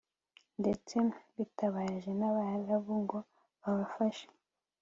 ndetse bitabaje n'abarabu ngo babafashe